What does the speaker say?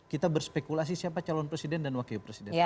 kita berspekulasi siapa calon presiden dan wakil presiden